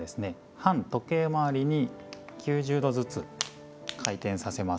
反時計回りに９０度ずつ回転させます。